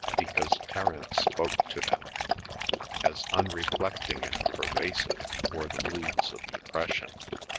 because Terence spoke to them. As unreflecting and pervasive were the moods of depression.